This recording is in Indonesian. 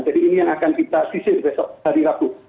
jadi ini yang akan kita sisir besok hari rabu